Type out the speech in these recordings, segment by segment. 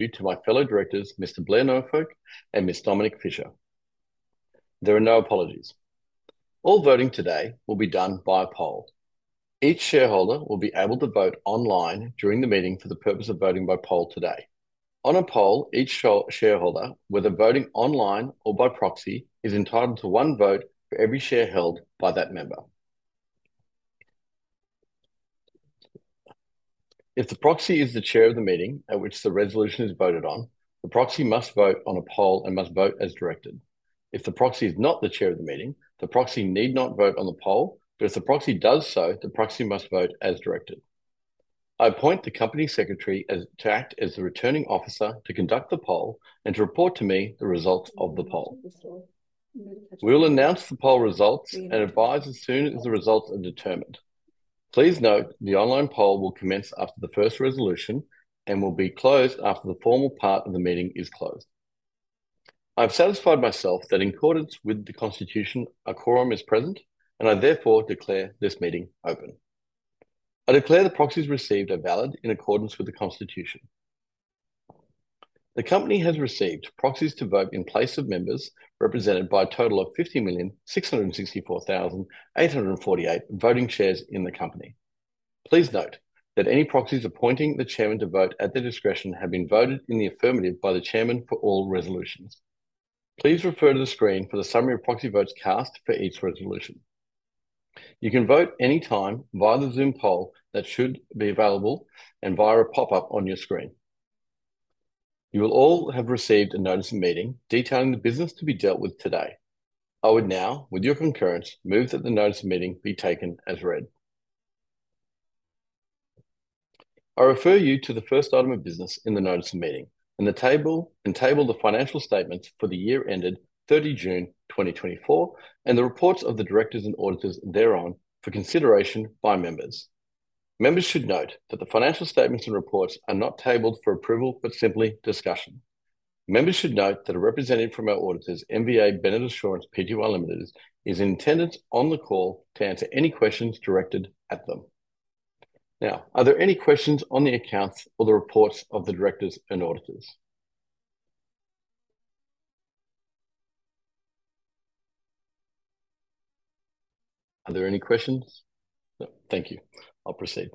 To my fellow directors, Mr. Blair Norfolk and Ms. Dominique Fisher. There are no apologies. All voting today will be done by a poll. Each shareholder will be able to vote online during the meeting for the purpose of voting by poll today. On a poll, each shareholder, whether voting online or by proxy, is entitled to one vote for every share held by that member. If the proxy is the chair of the meeting at which the resolution is voted on, the proxy must vote on a poll and must vote as directed. If the proxy is not the chair of the meeting, the proxy need not vote on the poll, but if the proxy does so, the proxy must vote as directed. I appoint the company secretary to act as the returning officer to conduct the poll and to report to me the results of the poll. We will announce the poll results and advise as soon as the results are determined. Please note the online poll will commence after the first resolution and will be closed after the formal part of the meeting is closed. I have satisfied myself that in accordance with the Constitution, a quorum is present, and I therefore declare this meeting open. I declare the proxies received are valid in accordance with the Constitution. The company has received proxies to vote in place of members represented by a total of 50,664,848 voting shares in the company. Please note that any proxies appointing the chairman to vote at their discretion have been voted in the affirmative by the chairman for all resolutions. Please refer to the screen for the summary of proxy votes cast for each resolution. You can vote anytime via the Zoom poll that should be available and via a pop-up on your screen. You will all have received a notice of meeting detailing the business to be dealt with today. I would now, with your concurrence, move that the notice of meeting be taken as read. I refer you to the first item of business in the notice of meeting, and to table the financial statements for the year ended 30 June 2024 and the reports of the directors and auditors thereon for consideration by members. Members should note that the financial statements and reports are not tabled for approval but simply discussion. Members should note that a representative from our auditors, MVA Bennett Assurance Pty Ltd., is in attendance on the call to answer any questions directed at them. Now, are there any questions on the accounts or the reports of the directors and auditors? Are there any questions? No, thank you. I'll proceed.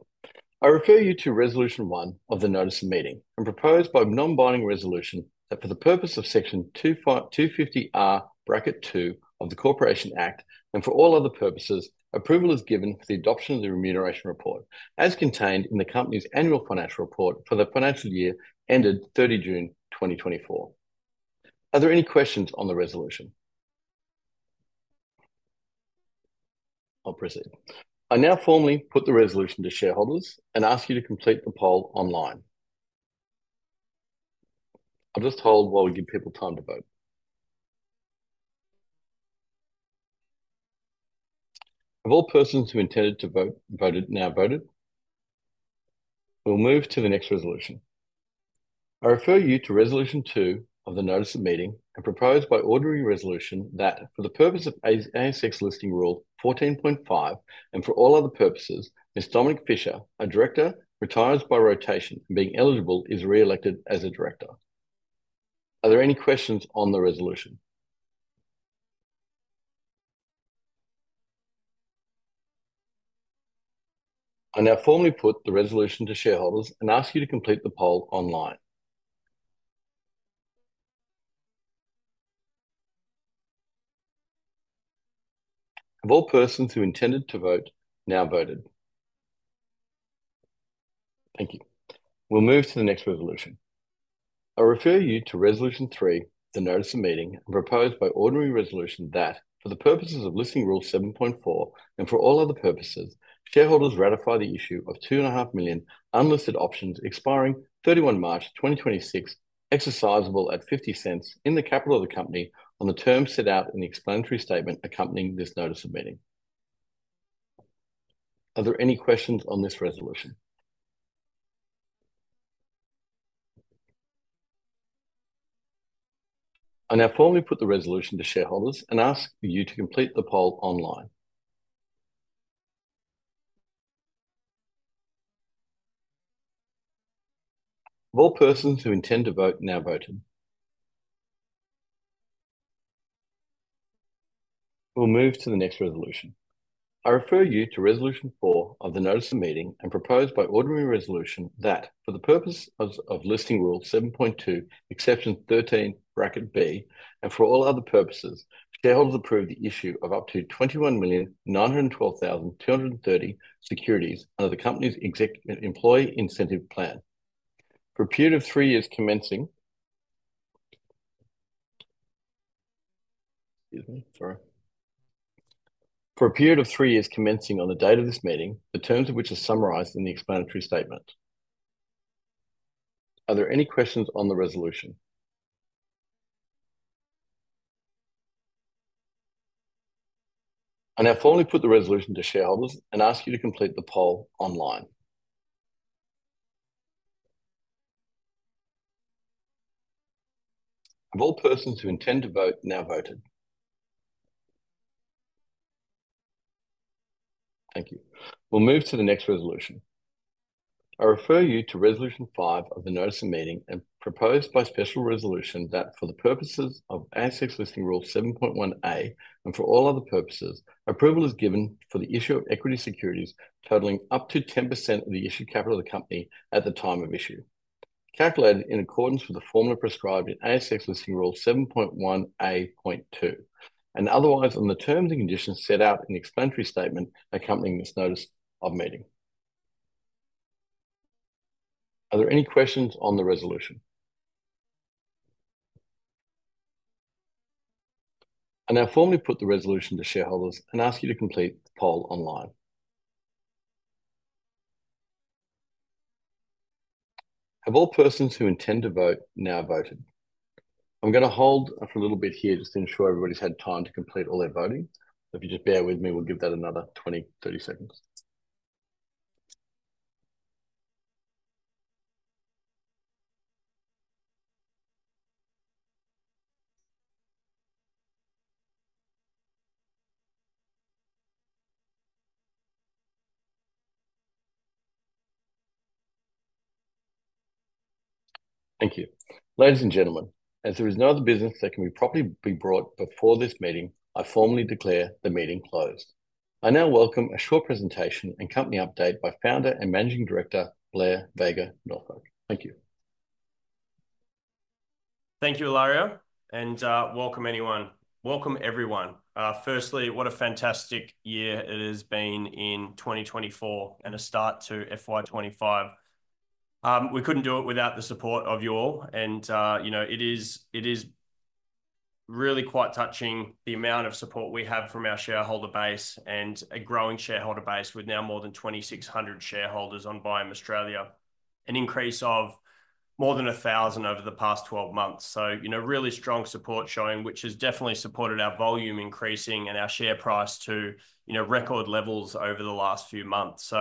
I refer you to Resolution One of the Notice of Meeting and propose by non-binding resolution that for the purpose of Section 250R(2) of the Corporations Act and for all other purposes, approval is given for the adoption of the remuneration report as contained in the company's annual financial report for the financial year ended 30 June 2024. Are there any questions on the resolution? I'll proceed. I now formally put the resolution to shareholders and ask you to complete the poll online. I'll just hold while we give people time to vote. All persons who intended to vote have now voted. We'll move to the next resolution. I refer you to Resolution Two of the Notice of Meeting and propose by ordinary resolution that for the purpose of ASX Listing Rule 14.5 and for all other purposes, Ms. Dominique Fisher, a director, retires by rotation and being eligible, is re-elected as a director. Are there any questions on the resolution? I now formally put the resolution to shareholders and ask you to complete the poll online. Of all persons who intended to vote, now voted. Thank you. We'll move to the next resolution. I refer you to Resolution Three, the Notice of Meeting and propose by ordinary resolution that for the purposes of Listing Rule 7.4 and for all other purposes, shareholders ratify the issue of 2.5 million unlisted options expiring 31 March 2026, exercisable at 0.50 in the capital of the company on the terms set out in the explanatory statement accompanying this notice of meeting. Are there any questions on this resolution? I now formally put the resolution to shareholders and ask you to complete the poll online. Of all persons who intend to vote, now voted. We'll move to the next resolution. I refer you to Resolution Four of the Notice of Meeting and propose by ordinary resolution that for the purpose of Listing Rule 7.2, Exception 13(b), and for all other purposes, shareholders approve the issue of up to 21,912,230 securities under the company's employee incentive plan for a period of three years commencing. Excuse me. Sorry. For a period of three years commencing on the date of this meeting, the terms of which are summarized in the explanatory statement. Are there any questions on the resolution? I now formally put the resolution to shareholders and ask you to complete the poll online. Of all persons who intend to vote, now voted. Thank you. We'll move to the next resolution. I refer you to Resolution Five of the Notice of Meeting and propose by special resolution that for the purposes of ASX Listing Rule 7.1A and for all other purposes, approval is given for the issue of equity securities totaling up to 10% of the issued capital of the company at the time of issue, calculated in accordance with the formula prescribed in ASX Listing Rule 7.1A.2, and otherwise on the terms and conditions set out in the explanatory statement accompanying this notice of meeting. Are there any questions on the resolution? I now formally put the resolution to shareholders and ask you to complete the poll online. Have all persons who intend to vote, now voted? I'm going to hold for a little bit here just to ensure everybody's had time to complete all their voting. If you just bear with me, we'll give that another 20, 30 seconds. Thank you. Ladies and gentlemen, as there is no other business that can be properly brought before this meeting, I formally declare the meeting closed. I now welcome a short presentation and company update by Founder and Managing Director Blair Vega Norfolk. Thank you. Thank you, Ilario, and welcome everyone. Firstly, what a fantastic year it has been in 2024 and a start to FY25. We couldn't do it without the support of you all. It is really quite touching the amount of support we have from our shareholder base and a growing shareholder base with now more than 2,600 shareholders on Biome Australia, an increase of more than 1,000 over the past 12 months. Really strong support showing, which has definitely supported our volume increasing and our share price to record levels over the last few months.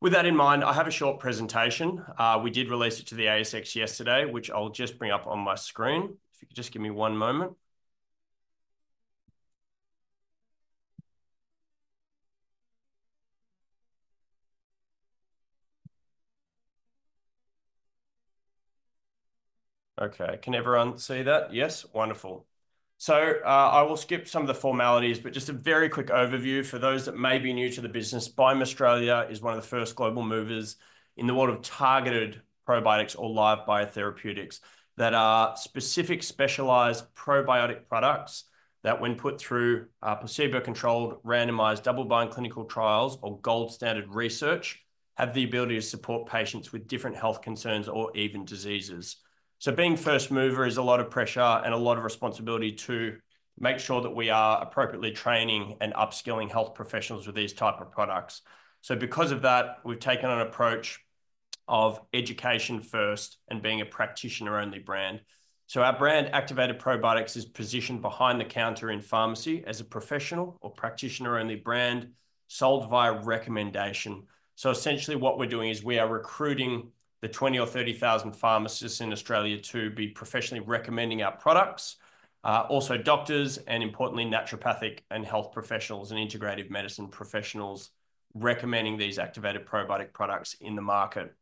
With that in mind, I have a short presentation. We did release it to the ASX yesterday, which I'll just bring up on my screen. If you could just give me one moment. Okay. Can everyone see that? Yes. Wonderful. So I will skip some of the formalities, but just a very quick overview for those that may be new to the business. Biome Australia is one of the first global movers in the world of targeted probiotics or live biotherapeutics that are specific specialized probiotic products that, when put through placebo-controlled, randomized double-blind clinical trials or gold standard research, have the ability to support patients with different health concerns or even diseases. So being first mover is a lot of pressure and a lot of responsibility to make sure that we are appropriately training and upskilling health professionals with these types of products. So because of that, we've taken an approach of education first and being a practitioner-only brand. So our brand, Activated Probiotics, is positioned behind the counter in pharmacy as a professional or practitioner-only brand sold via recommendation. So essentially what we're doing is we are recruiting the 20,000 or 30,000 pharmacists in Australia to be professionally recommending our products. Also, doctors and, importantly, naturopathic and health professionals and integrative medicine professionals recommending these activated probiotic products in the market.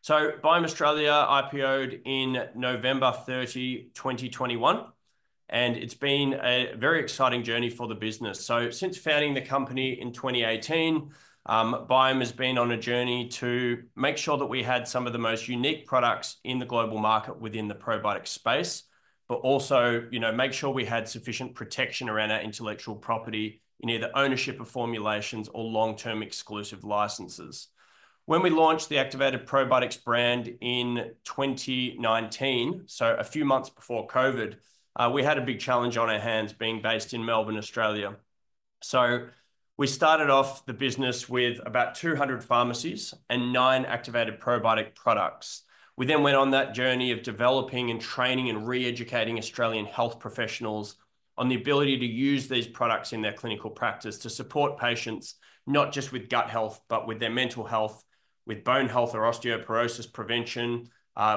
So Biome Australia IPO'd in November 30, 2021, and it's been a very exciting journey for the business. So since founding the company in 2018, Biome has been on a journey to make sure that we had some of the most unique products in the global market within the probiotic space, but also make sure we had sufficient protection around our intellectual property in either ownership of formulations or long-term exclusive licenses. When we launched the Activated Probiotics brand in 2019, so a few months before COVID, we had a big challenge on our hands being based in Melbourne, Australia. We started off the business with about 200 pharmacies and nine Activated Probiotics products. We then went on that journey of developing and training and re-educating Australian health professionals on the ability to use these products in their clinical practice to support patients not just with gut health, but with their mental health, with bone health or osteoporosis prevention,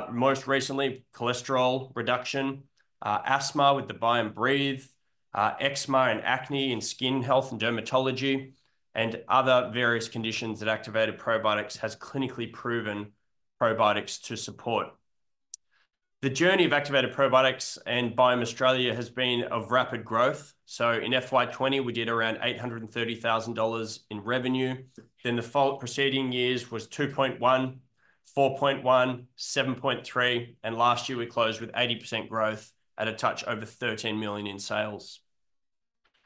most recently cholesterol reduction, asthma with the Biome Breathe, eczema and acne and skin health and dermatology, and other various conditions that Activated Probiotics has clinically proven probiotics to support. The journey of Activated Probiotics and Biome Australia has been of rapid growth. In FY20, we did around 830,000 dollars in revenue. Then the following preceding years was 2.1, 4.1, 7.3, and last year we closed with 80% growth at a touch over 13 million in sales.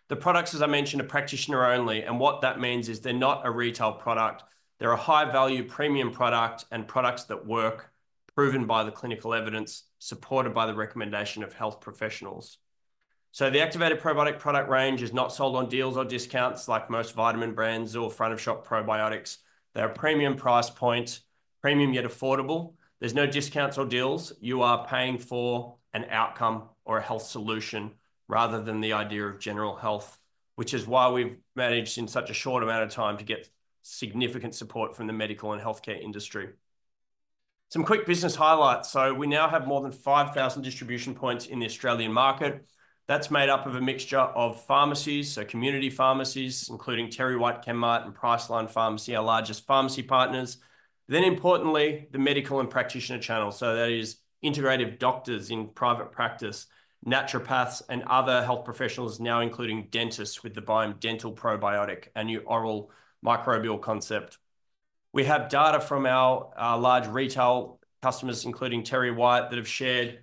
The products, as I mentioned, are practitioner-only, and what that means is they're not a retail product. They're a high-value premium product and products that work proven by the clinical evidence supported by the recommendation of health professionals. So the activated probiotic product range is not sold on deals or discounts like most vitamin brands or front-of-shop probiotics. They're a premium price point, premium yet affordable. There's no discounts or deals. You are paying for an outcome or a health solution rather than the idea of general health, which is why we've managed in such a short amount of time to get significant support from the medical and healthcare industry. Some quick business highlights. So we now have more than 5,000 distribution points in the Australian market. That's made up of a mixture of pharmacies, so community pharmacies, including TerryWhite Chemmart and Priceline Pharmacy, our largest pharmacy partners. Then importantly, the medical and practitioner channel. So that is integrative doctors in private practice, naturopaths, and other health professionals now including dentists with the Biome Dental probiotic and new oral microbial concept. We have data from our large retail customers, including TerryWhite, that have shared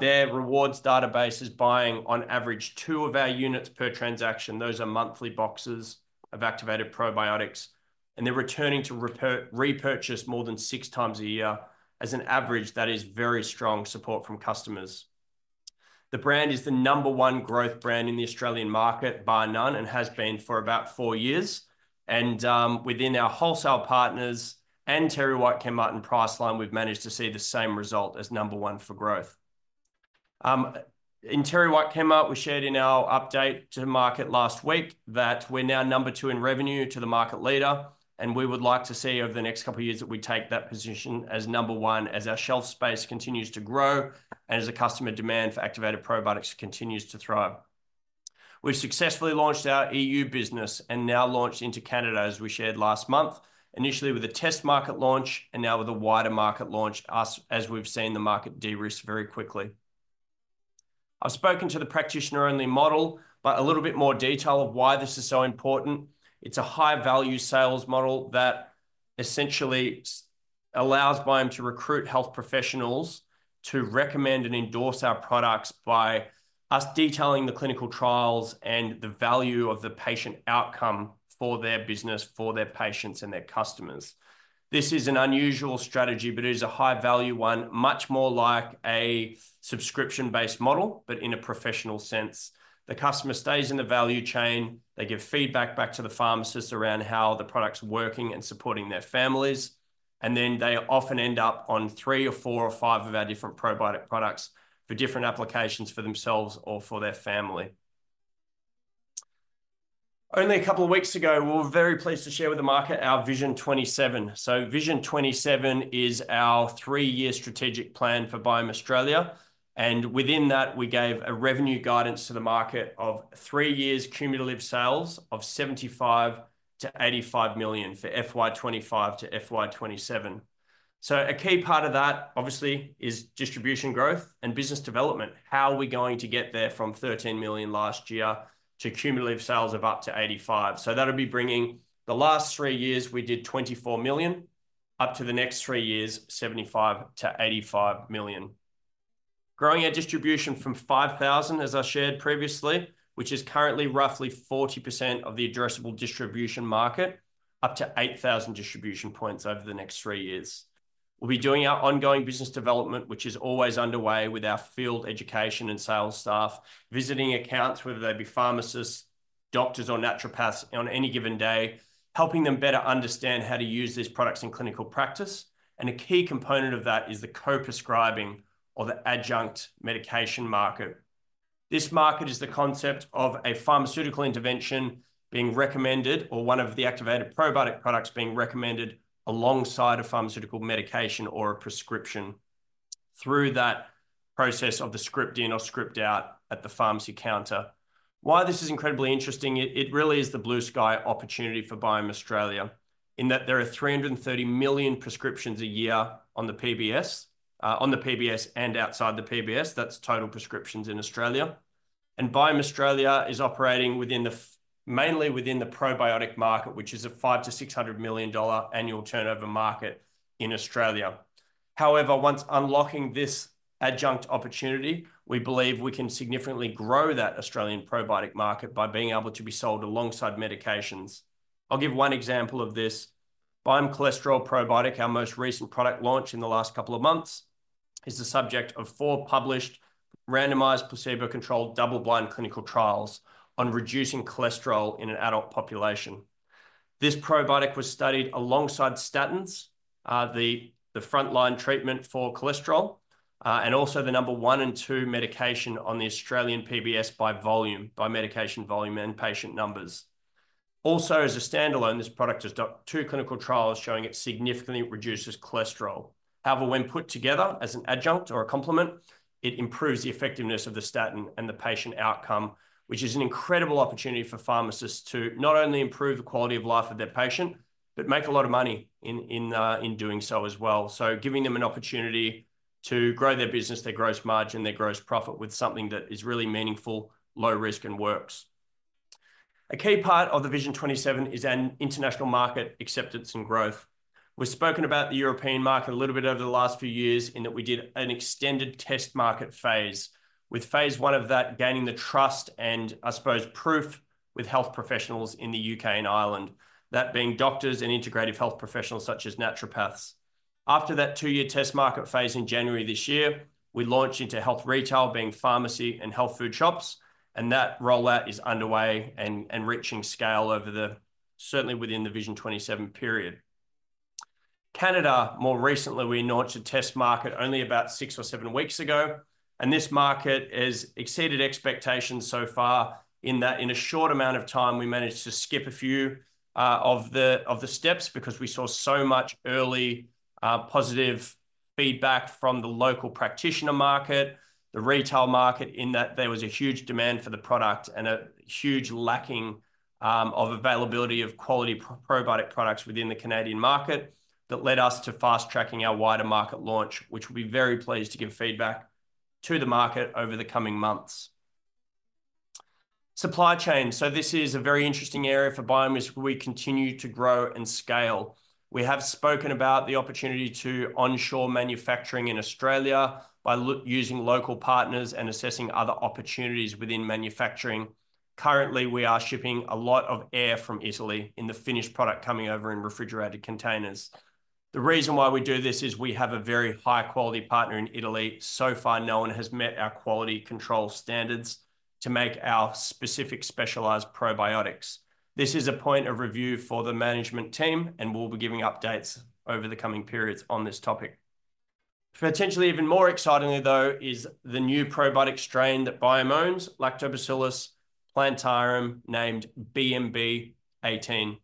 their rewards databases, buying on average two of our units per transaction. Those are monthly boxes of Activated Probiotics, and they're returning to repurchase more than six times a year as an average. That is very strong support from customers. The brand is the number one growth brand in the Australian market by none and has been for about four years. And within our wholesale partners and TerryWhite Chemmart, and Priceline, we've managed to see the same result as number one for growth. In TerryWhite Chemmart, we shared in our update to market last week that we're now number two in revenue to the market leader, and we would like to see over the next couple of years that we take that position as number one as our shelf space continues to grow and as the customer demand for Activated Probiotics continues to thrive. We've successfully launched our EU business and now launched into Canada, as we shared last month, initially with a test market launch and now with a wider market launch as we've seen the market de-risk very quickly. I've spoken to the practitioner-only model but a little bit more detail of why this is so important. It's a high-value sales model that essentially allows Biome to recruit health professionals to recommend and endorse our products by us detailing the clinical trials and the value of the patient outcome for their business, for their patients and their customers. This is an unusual strategy, but it is a high-value one, much more like a subscription-based model, but in a professional sense. The customer stays in the value chain. They give feedback back to the pharmacist around how the product's working and supporting their families. And then they often end up on three or four or five of our different probiotic products for different applications for themselves or for their family. Only a couple of weeks ago, we were very pleased to share with the market our Vision 27, so Vision 27 is our three-year strategic plan for Biome Australia. Within that, we gave a revenue guidance to the market of three years cumulative sales of 75-85 million for FY25 to FY27. A key part of that, obviously, is distribution growth and business development. How are we going to get there from 13 million last year to cumulative sales of up to 85 million? That'll be bringing the last three years we did 24 million up to the next three years, 75-85 million. Growing our distribution from 5,000, as I shared previously, which is currently roughly 40% of the addressable distribution market, up to 8,000 distribution points over the next three years. We'll be doing our ongoing business development, which is always underway with our field education and sales staff, visiting accounts, whether they be pharmacists, doctors, or naturopaths on any given day, helping them better understand how to use these products in clinical practice, and a key component of that is the co-prescribing or the adjunct medication market. This market is the concept of a pharmaceutical intervention being recommended or one of the activated probiotic products being recommended alongside a pharmaceutical medication or a prescription through that process of the script in or script out at the pharmacy counter. Why this is incredibly interesting? It really is the blue sky opportunity for Biome Australia in that there are 330 million prescriptions a year on the PBS and outside the PBS. That's total prescriptions in Australia. Biome Australia is operating mainly within the probiotic market, which is a 500 million-600 million dollar annual turnover market in Australia. However, once unlocking this adjunct opportunity, we believe we can significantly grow that Australian probiotic market by being able to be sold alongside medications. I'll give one example of this. Biome Cholesterol Probiotic, our most recent product launch in the last couple of months, is the subject of four published randomized placebo-controlled double-blind clinical trials on reducing cholesterol in an adult population. This probiotic was studied alongside statins, the frontline treatment for cholesterol, and also the number one and two medication on the Australian PBS by volume, by medication volume and patient numbers. Also, as a standalone, this product has done two clinical trials showing it significantly reduces cholesterol. However, when put together as an adjunct or a complement, it improves the effectiveness of the statin and the patient outcome, which is an incredible opportunity for pharmacists to not only improve the quality of life of their patient, but make a lot of money in doing so as well. So giving them an opportunity to grow their business, their gross margin, their gross profit with something that is really meaningful, low risk, and works. A key part of the Vision 27 is an international market acceptance and growth. We've spoken about the European market a little bit over the last few years in that we did an extended test market phase, with phase one of that gaining the trust and, I suppose, proof with health professionals in the U.K. and Ireland, that being doctors and integrative health professionals such as naturopaths. After that two-year test market phase in January this year, we launched into health retail being pharmacy and health food shops, and that rollout is underway and increasing scale, certainly within the Vision 27 period. Canada, more recently, we launched a test market only about six or seven weeks ago, and this market has exceeded expectations so far in that in a short amount of time, we managed to skip a few of the steps because we saw so much early positive feedback from the local practitioner market, the retail market in that there was a huge demand for the product and a huge lacking of availability of quality probiotic products within the Canadian market that led us to fast-tracking our wider market launch, which we'll be very pleased to give feedback to the market over the coming months. Supply chain. This is a very interesting area for Biome as we continue to grow and scale. We have spoken about the opportunity to onshore manufacturing in Australia by using local partners and assessing other opportunities within manufacturing. Currently, we are shipping a lot via air from Italy in the finished product coming over in refrigerated containers. The reason why we do this is we have a very high-quality partner in Italy. So far, no one has met our quality control standards to make our specific specialized probiotics. This is a point of review for the management team, and we'll be giving updates over the coming periods on this topic. Potentially even more excitingly, though, is the new probiotic strain that Biome owns, Lactobacillus plantarum, named BMB18.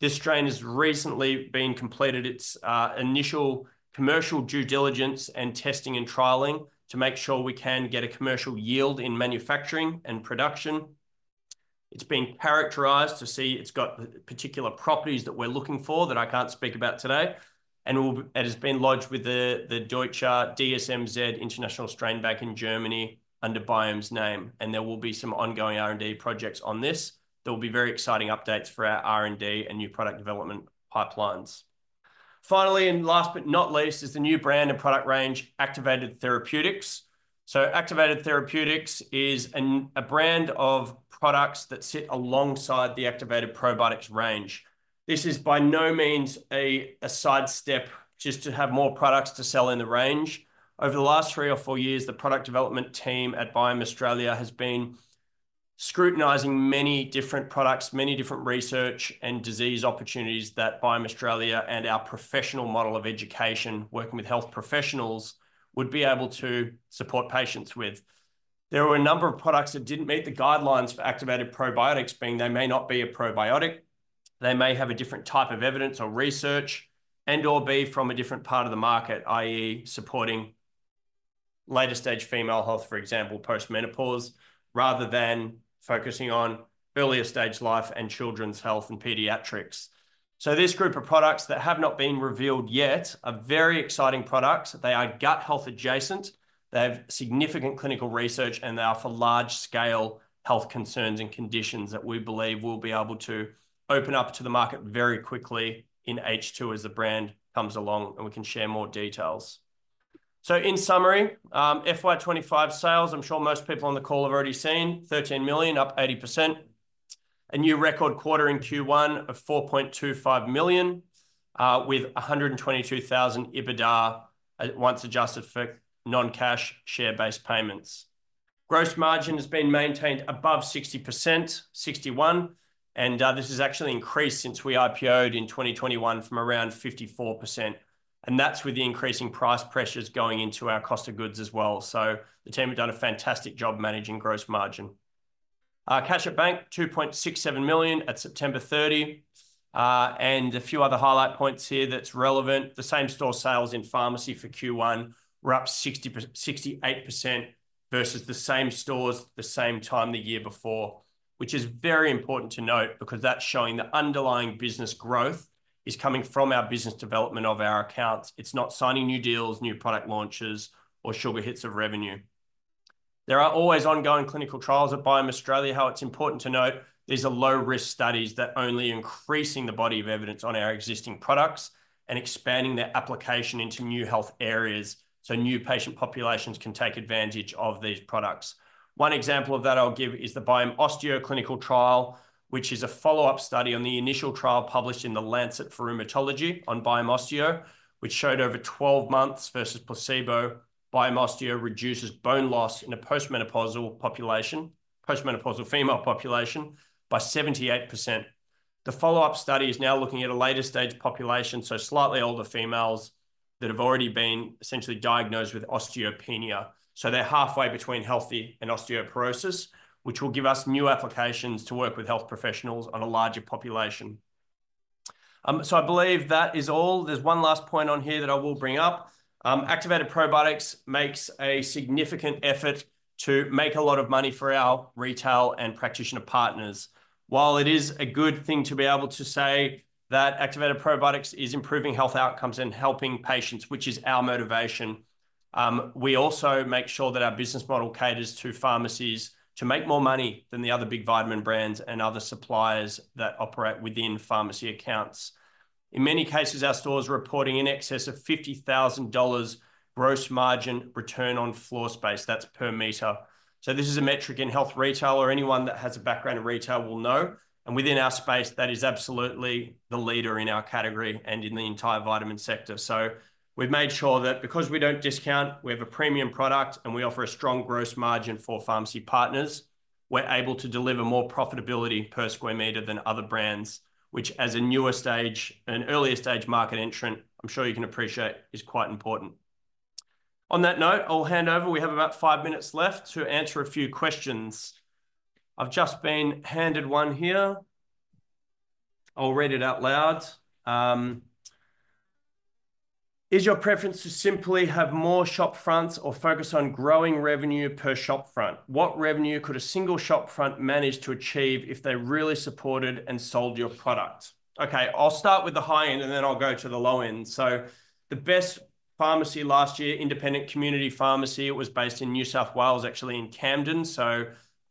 This strain has recently completed its initial commercial due diligence and testing and trialling to make sure we can get a commercial yield in manufacturing and production. It's been characterized to see it's got particular properties that we're looking for that I can't speak about today. It has been lodged with the Deutsche DSMZ International Strain Bank in Germany under Biome's name. There will be some ongoing R&D projects on this. There will be very exciting updates for our R&D and new product development pipelines. Finally, and last but not least, is the new brand and product range, Activated Therapeutics. Activated Therapeutics is a brand of products that sit alongside the Activated Probiotics range. This is by no means a sidestep just to have more products to sell in the range. Over the last three or four years, the product development team at Biome Australia has been scrutinizing many different products, many different research and disease opportunities that Biome Australia and our professional model of education working with health professionals would be able to support patients with. There were a number of products that didn't meet the guidelines for Activated Probiotics, being they may not be a probiotic, they may have a different type of evidence or research, and/or be from a different part of the market, i.e., supporting later stage female health, for example, post-menopause, rather than focusing on earlier stage life and children's health and pediatrics. So this group of products that have not been revealed yet are very exciting products. They are gut health adjacent. They have significant clinical research, and they offer large-scale health concerns and conditions that we believe we'll be able to open up to the market very quickly in H2 as the brand comes along, and we can share more details. In summary, FY25 sales, I'm sure most people on the call have already seen, 13 million, up 80%. A new record quarter in Q1 of 4.25 million with 122,000 EBITDA once adjusted for non-cash share-based payments. Gross margin has been maintained above 60%, 61%, and this has actually increased since we IPO'd in 2021 from around 54%. That's with the increasing price pressures going into our cost of goods as well. The team have done a fantastic job managing gross margin. Cash at bank, 2.67 million at September 30. A few other highlight points here that's relevant. The same store sales in pharmacy for Q1 were up 68% versus the same stores the same time the year before, which is very important to note because that's showing the underlying business growth is coming from our business development of our accounts. It's not signing new deals, new product launches, or sugar hits of revenue. There are always ongoing clinical trials at Biome Australia. It's important to note, these are low-risk studies that only increase the body of evidence on our existing products and expand their application into new health areas so new patient populations can take advantage of these products. One example of that I'll give is the Biome Osteo clinical trial, which is a follow-up study on the initial trial published in The Lancet Rheumatology on Biome Osteo, which showed over 12 months versus placebo, Biome Osteo reduces bone loss in a post-menopausal population, post-menopausal female population by 78%. The follow-up study is now looking at a later stage population, so slightly older females that have already been essentially diagnosed with osteopenia, so they're halfway between healthy and osteoporosis, which will give us new applications to work with health professionals on a larger population, so I believe that is all. There's one last point on here that I will bring up. Activated Probiotics makes a significant effort to make a lot of money for our retail and practitioner partners. While it is a good thing to be able to say that Activated Probiotics is improving health outcomes and helping patients, which is our motivation, we also make sure that our business model caters to pharmacies to make more money than the other big vitamin brands and other suppliers that operate within pharmacy accounts. In many cases, our stores are reporting in excess of 50,000 dollars gross margin return on floor space. That's per meter. So this is a metric in health retail or anyone that has a background in retail will know. And within our space, that is absolutely the leader in our category and in the entire vitamin sector. We've made sure that because we don't discount, we have a premium product and we offer a strong gross margin for pharmacy partners, we're able to deliver more profitability per square meter than other brands, which as a newer stage, an earlier stage market entrant, I'm sure you can appreciate is quite important. On that note, I'll hand over. We have about five minutes left to answer a few questions. I've just been handed one here. I'll read it out loud. Is your preference to simply have more shop fronts or focus on growing revenue per shop front? What revenue could a single shop front manage to achieve if they really supported and sold your product? Okay, I'll start with the high end and then I'll go to the low end. The best pharmacy last year, Independent Community Pharmacy, it was based in New South Wales, actually in Camden.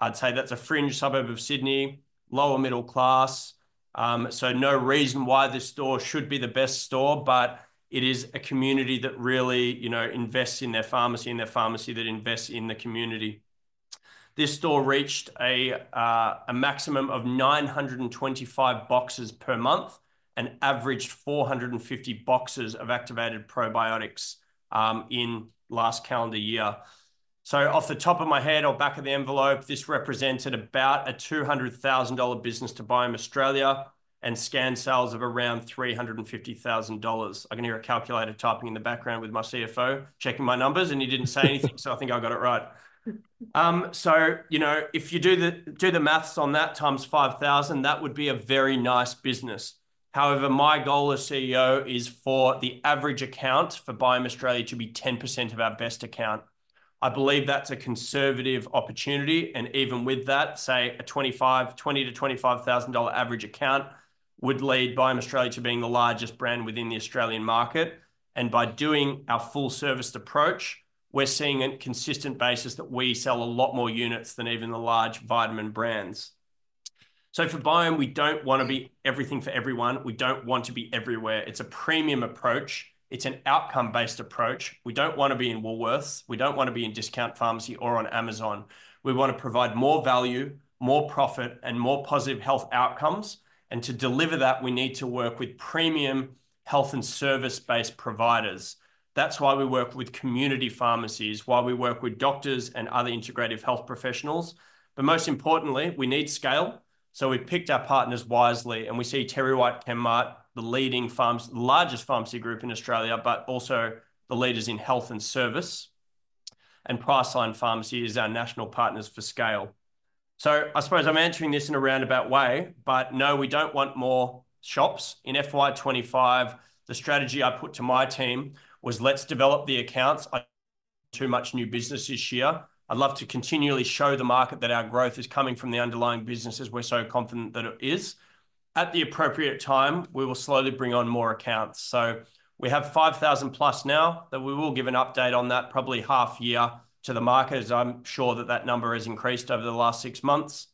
I'd say that's a fringe suburb of Sydney, lower middle class. No reason why this store should be the best store, but it is a community that really, you know, invests in their pharmacy and their pharmacy that invests in the community. This store reached a maximum of 925 boxes per month and averaged 450 boxes of activated probiotics in last calendar year. Off the top of my head or back of the envelope, this represented about a 200,000 dollar business to Biome Australia and scanned sales of around 350,000 dollars. I can hear a calculator typing in the background with my CFO checking my numbers and he didn't say anything, so I think I got it right. So, you know, if you do the math on that times 5,000, that would be a very nice business. However, my goal as CEO is for the average account for Biome Australia to be 10% of our best account. I believe that's a conservative opportunity. And even with that, say a 20-25,000 average account would lead Biome Australia to being the largest brand within the Australian market. And by doing our full-serviced approach, we're seeing a consistent basis that we sell a lot more units than even the large vitamin brands. So for Biome, we don't want to be everything for everyone. We don't want to be everywhere. It's a premium approach. It's an outcome-based approach. We don't want to be in Woolworths. We don't want to be in discount pharmacy or on Amazon. We want to provide more value, more profit, and more positive health outcomes. To deliver that, we need to work with premium health and service-based providers. That's why we work with community pharmacies, why we work with doctors and other integrative health professionals. But most importantly, we need scale. We picked our partners wisely, and we see TerryWhite Chemmart, the leading pharmacy, largest pharmacy group in Australia, but also the leaders in health and service. Priceline Pharmacy is our national partners for scale. I suppose I'm answering this in a roundabout way, but no, we don't want more shops. In FY25, the strategy I put to my team was, let's develop the accounts. I don't want too much new business this year. I'd love to continually show the market that our growth is coming from the underlying businesses. We're so confident that it is. At the appropriate time, we will slowly bring on more accounts. We have 5,000 plus now, that we will give an update on that probably half year to the market. I'm sure that that number has increased over the last six months.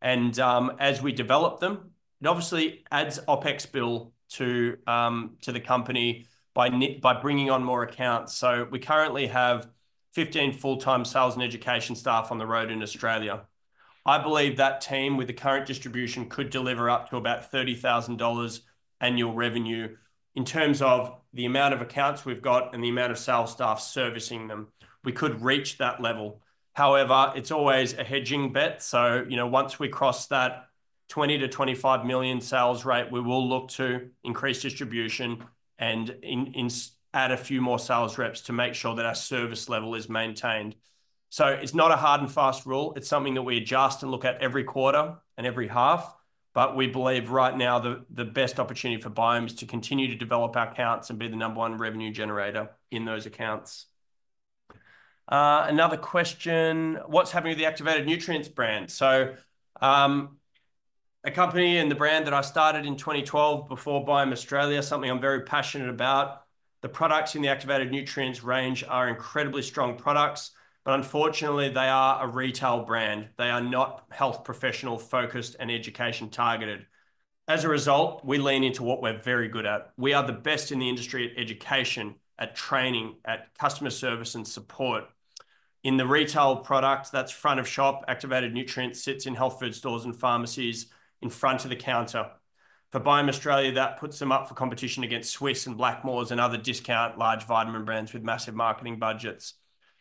And as we develop them, it obviously adds OPEX bill to the company by bringing on more accounts. We currently have 15 full-time sales and education staff on the road in Australia. I believe that team with the current distribution could deliver up to about 30,000 dollars annual revenue in terms of the amount of accounts we've got and the amount of sales staff servicing them. We could reach that level. However, it's always a hedging bet. You know, once we cross that 20 million-25 million sales rate, we will look to increase distribution and add a few more sales reps to make sure that our service level is maintained. So it's not a hard and fast rule. It's something that we adjust and look at every quarter and every half. But we believe right now the best opportunity for Biome is to continue to develop our accounts and be the number one revenue generator in those accounts. Another question, what's happening with the Activated Nutrients brand? So a company and the brand that I started in 2012 before Biome Australia, something I'm very passionate about. The products in the Activated Nutrients range are incredibly strong products, but unfortunately, they are a retail brand. They are not health professional-focused and education-targeted. As a result, we lean into what we're very good at. We are the best in the industry at education, at training, at customer service and support. In the retail product, that's front of shop. Activated Nutrients sits in health food stores and pharmacies in front of the counter. For Biome Australia, that puts them up for competition against Swisse and Blackmores and other discount large vitamin brands with massive marketing budgets.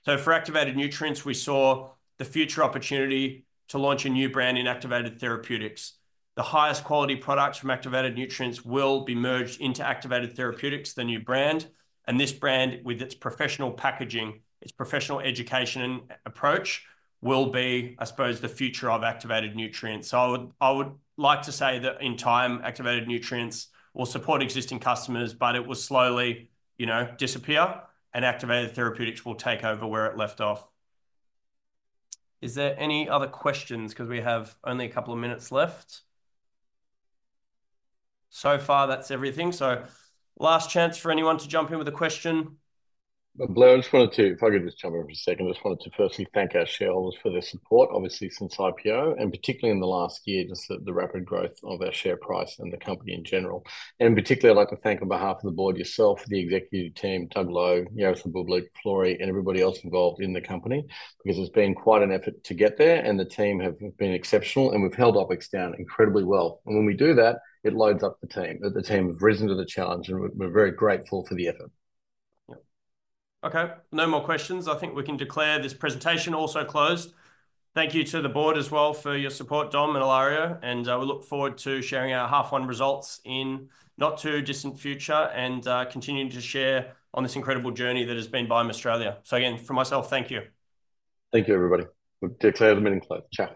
So for Activated Nutrients, we saw the future opportunity to launch a new brand in Activated Therapeutics. The highest quality products from Activated Nutrients will be merged into Activated Therapeutics, the new brand. And this brand, with its professional packaging, its professional education and approach, will be, I suppose, the future of Activated Nutrients. So I would like to say that in time, Activated Nutrients will support existing customers, but it will slowly, you know, disappear, and Activated Therapeutics will take over where it left off. Is there any other questions? Because we have only a couple of minutes left. So far, that's everything. So last chance for anyone to jump in with a question. Blair, I just wanted to, if I could just jump in for a second, I just wanted to firstly thank our shareholders for their support, obviously since IPO, and particularly in the last year, just the rapid growth of our share price and the company in general, and in particular, I'd like to thank on behalf of the board yourself, the executive team, Doug Lowe, Jaroslav Boublik, Ilario, and everybody else involved in the company, because it's been quite an effort to get there, and the team have been exceptional, and we've held OpEx down incredibly well, and when we do that, it loads up the team. The team have risen to the challenge, and we're very grateful for the effort. Okay, no more questions. I think we can declare this presentation also closed. Thank you to the board as well for your support, Dom and Ilario. We look forward to sharing our half-year results in not too distant future and continuing to share on this incredible journey that has been Biome Australia. So again, from myself, thank you. Thank you, everybody. We'll declare the meeting closed. Ciao.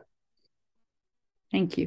Thank you.